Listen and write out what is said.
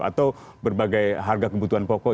atau berbagai harga kebutuhan pokok